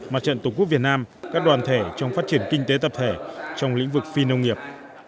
mặt trận tổ quốc việt nam các đoàn thể trong phát triển kinh tế tập thể trong lĩnh vực phi nông nghiệp